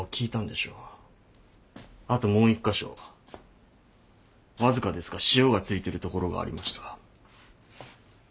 あともう１カ所わずかですが塩が付いてるところがありました。